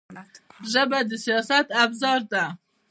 ژبه د سیاست ابزار ده